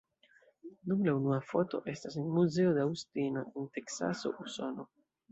Nun la unua foto estas en muzeo de Aŭstino en Teksaso, Usono.